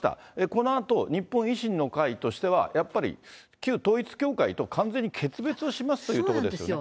このあと、日本維新の会としては、やっぱり旧統一教会と完全に決別しますというところですよね。